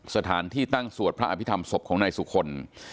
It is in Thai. สถานที่ตั้งสวดพระอภิษฐรรมศพของนายสุคล